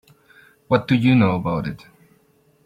What do you know about it?